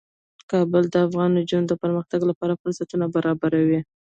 کابل د افغان نجونو د پرمختګ لپاره فرصتونه برابروي.